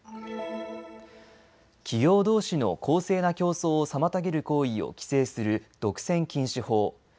企業どうしの公正な競争を妨げる行為を規制する独占禁止法。